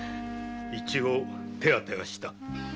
一応手当てはした。